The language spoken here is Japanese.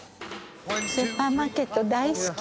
スーパーマーケット大好き。